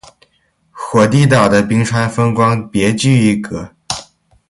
火地岛的冰川风光别具一格。